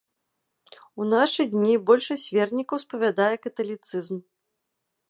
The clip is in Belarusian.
У нашы дні большасць вернікаў спавядае каталіцызм.